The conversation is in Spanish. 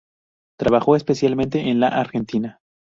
Trabajó especialmente en la Argentina.